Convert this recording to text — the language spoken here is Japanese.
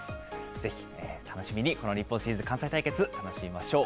ぜひ楽しみにこの日本シリーズ関西対決、楽しみましょう。